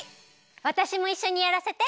わたしもいっしょにやらせて！